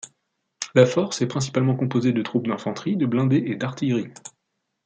La force est principalement composée de troupes d'infanterie, de blindés et d'artillerie.